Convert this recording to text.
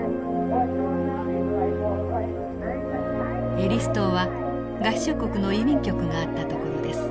エリス島は合衆国の移民局があった所です。